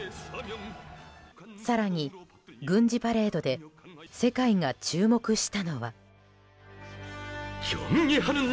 更に軍事パレードで世界が注目したのは。